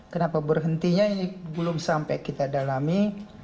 kenapa berhentinya ini belum sampai kita dalami